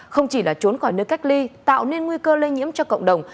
không chỉ là trốn khỏi nơi cách ly tạo nên nguy cơ lây nhiễm cho cộng đồng